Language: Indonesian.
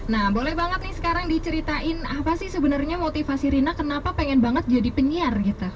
nah boleh banget nih sekarang diceritain apa sih sebenarnya motivasi rina kenapa pengen banget jadi penyiar gitu